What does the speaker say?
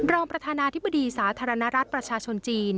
รองประธานาธิบดีสาธารณรัฐประชาชนจีน